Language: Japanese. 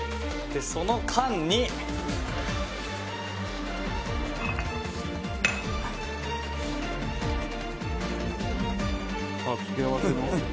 「その間に」あっ付け合わせの？